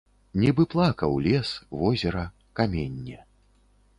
Нібы плакаў лес, возера, каменне.